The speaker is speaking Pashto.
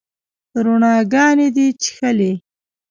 روڼاګاني دي چیښلې